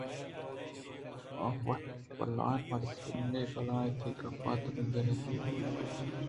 آوت بلاہیں مردمے بلئے تئی گپ ءُترٛانءُنند ءُنیاد ءِحالءَ من انچوسرپد بوتگاں کہ آتئی سرءَ سک باز مہروان بوتگ